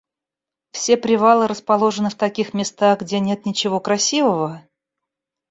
Все привалы расположены в таких местах, где нет ничего красивого?